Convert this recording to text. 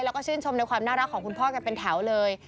แล้วก็ชื่นชมในความน่ารักของคุณพ่อกันเป็นแถวเลย